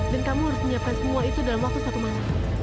dan kamu harus menyiapkan semua itu dalam waktu satu malam